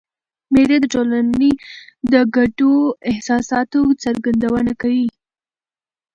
مېلې د ټولني د ګډو احساساتو څرګندونه کوي.